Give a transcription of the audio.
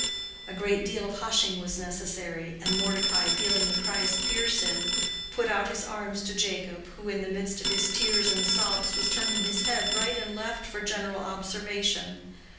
A great deal of hushing was necessary, and Mordecai feeling the cries pierce him, put out his arms to Jacob, who in the midst of his tears and sobs was turning his head right and left for general observation.